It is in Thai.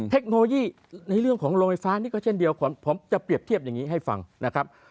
เทคโนโลยีในเรื่องของโรงไฟฟ้านี่ก็เช่นเดียวผมจะเปรียบเทียบอย่างนี้ให้ฟังนะครับ